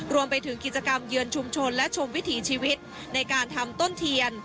รวมไปถึงกิจกรรมเยือนชุมชนและชมวิถีชีวิตในการทำต้นเทียน